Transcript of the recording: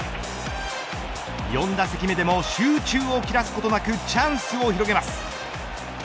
４打席目でも集中を切らすことなくチャンスを広げます。